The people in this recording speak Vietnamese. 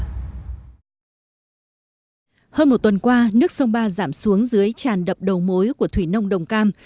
hơn một tuần qua nước sông ba giảm xuống dưới tràn đập đầu mối của thủy nông đồng cam